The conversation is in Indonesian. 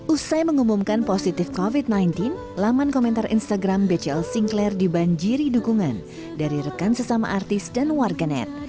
usai mengumumkan positif covid sembilan belas laman komentar instagram bcl sinclair dibanjiri dukungan dari rekan sesama artis dan warganet